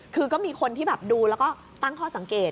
คือก็มีคนที่แบบดูแล้วก็ตั้งข้อสังเกต